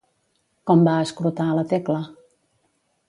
Com va escrutar a la Tecla?